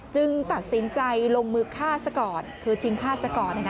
ตัดสินใจลงมือฆ่าซะก่อนคือชิงฆ่าซะก่อน